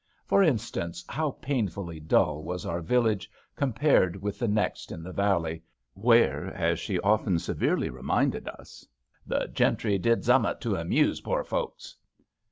For instance, how painfully dull was our village compared with the next in the valley, where, as she often severely reminded us, "the gentry did zummat to amuse poor folks